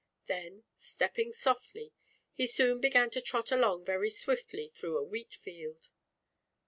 Then stepping softly, he soon began to trot along very swiftly through a wheat field.